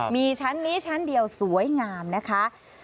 มีชั้นนี้ชั้นเดียวสวยงามนะคะ